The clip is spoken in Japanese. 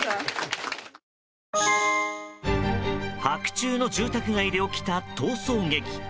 白昼の住宅街で起きた逃走劇。